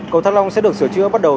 cầu thăng long sẽ được sửa chữa bắt đầu